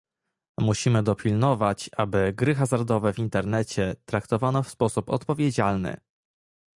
Musimy dopilnować, aby gry hazardowe w Internecie traktowano w sposób odpowiedzialny